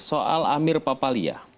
soal amir papalia